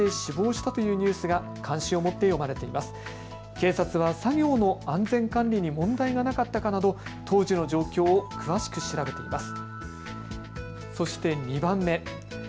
警察は作業の安全管理に問題がなかったかなど当時の状況を詳しく調べています。